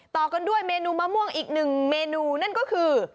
ต่อกันด้วยเมนูมะม่วงอีกหนึ่งเมนูนั่นก็คือ